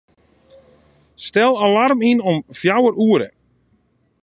Stel alarm yn om fjouwer oere.